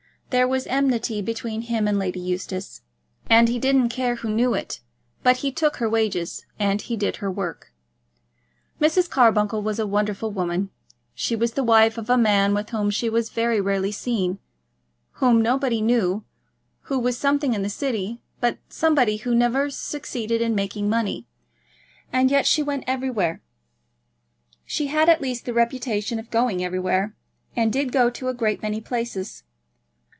There was enmity between him and Lady Eustace, and he didn't care who knew it; but he took her wages and he did her work. Mrs. Carbuncle was a wonderful woman. She was the wife of a man with whom she was very rarely seen, whom nobody knew, who was something in the City, but somebody who never succeeded in making money; and yet she went everywhere. She had at least the reputation of going everywhere, and did go to a great many places.